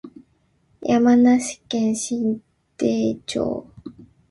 山梨県身延町